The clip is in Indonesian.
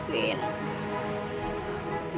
tapi juga tetep gak dimaafin